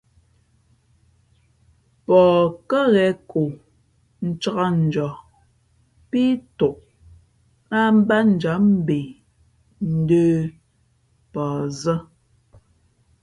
Pαh kάghen ko ncāk njαα pí tok láh batjǎm mbe ndə̌ pαh zᾱ.